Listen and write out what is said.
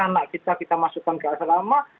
anak kita kita masukkan ke asrama